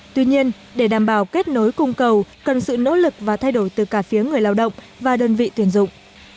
tuy nhiên để đảm bảo kết nối cung cầu cần sự nỗ lực và thay đổi từ cả phía người lao động và đơn vị tuyển dụng